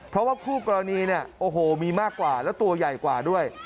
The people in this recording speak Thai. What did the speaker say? เพราะว่าผู้กรณีโอ้โฮมีมากกว่าและตัวใหญ่กว่าด้วย